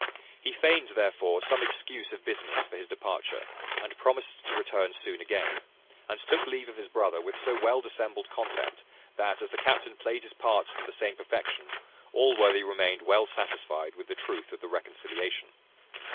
He feigned, therefore, some excuse of business for his departure, and promised to return soon again; and took leave of his brother with so well dissembled content, that, as the captain played his part to the same perfection, Allworthy remained well satisfied with the truth of the reconciliation.